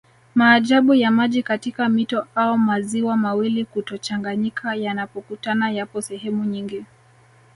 Maajabu ya maji katika mito au maziwa mawili kutochanganyika yanapokutana yapo sehemu nyingi